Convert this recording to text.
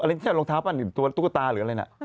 อันนี้ใช่ลองเท้าเป็นตัวตุ๊กตาหรืออะไรน่ะ